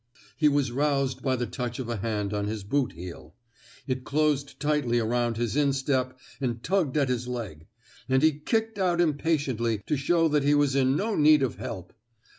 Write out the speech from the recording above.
He was roused by the touch of a hand on his boot heel; it closed tightly around his instep and tugged at his leg; and he kicked out impatiently to show that he was in no need of help.